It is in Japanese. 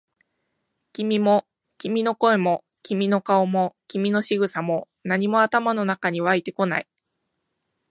君も、君の声も、君の顔も、君の仕草も、何も頭の中に湧いてこない。